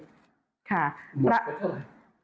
บุกเกิดอะไร